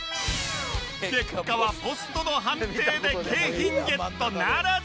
結果はポストの判定で景品ゲットならず